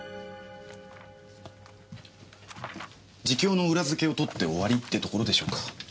自供の裏付けを取って終わりってところでしょうか。